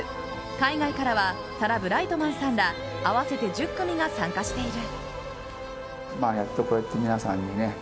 海外からはサラ・ブライトマンさんら合わせて１０組が参加している。